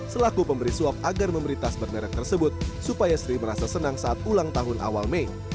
selaku pemberi suap agar memberi tas bermerek tersebut supaya sri merasa senang saat ulang tahun awal mei